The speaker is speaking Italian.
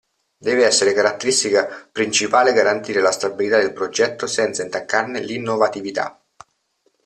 Deve essere caratteristica principale garantire la stabilità del progetto senza intaccarne l'innovatività.